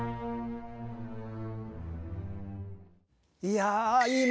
いや。